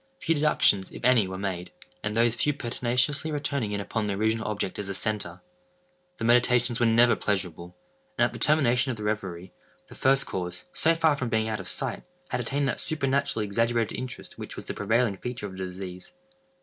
Few deductions, if any, were made; and those few pertinaciously returning in upon the original object as a centre. The meditations were never pleasurable; and, at the termination of the reverie, the first cause, so far from being out of sight, had attained that supernaturally exaggerated interest which was the prevailing feature of the disease.